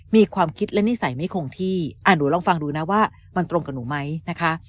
มีความคิดและนิสัยไม่คงที่หนูลองฟังดูนะว่ามันตรงกับหนูไหมนะคะ